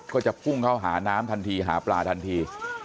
ก็จะพุ่งเข้าหาน้ำทันทีหาปลาทันที